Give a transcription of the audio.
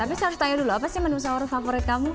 tapi saya harus tanya dulu apa sih menu sahur favorit kamu